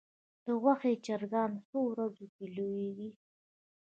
د غوښې چرګان څو ورځو کې لویږي؟